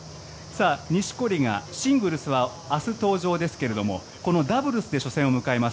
錦織はシングルスは明日登場ですがこのダブルスで初戦を迎えます。